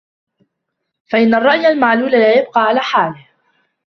فَإِنَّ الرَّأْيَ الْمَعْلُولَ لَا يَبْقَى عَلَى حَالِهِ